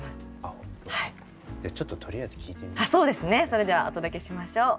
それではお届けしましょう。